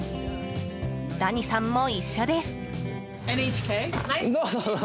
ダニさんも一緒です。